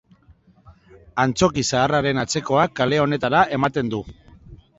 Antzoki Zaharraren atzekoak kale honetara ematen du.